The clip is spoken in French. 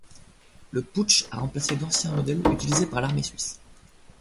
Le Puch a remplacé d'anciens modèles utilisés par l'armée suisse.